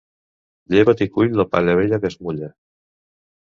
Lleva't i cull la palla vella que es mulla.